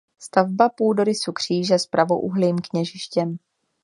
Stavba půdorysu kříže s pravoúhlým kněžištěm.